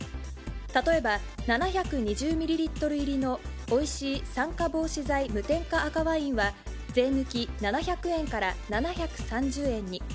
例えば７２０ミリリットル入りのおいしい酸化防止剤無添加赤ワインは、税抜き７００円から７３０円に。